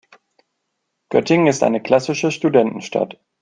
Göttingen ist eine klassische Studentenstadt.